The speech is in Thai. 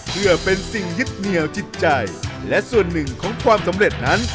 เพื่อเป็นสิ่งยึดเหนียวจิตใจและส่วนหนึ่งของความสำเร็จนั้น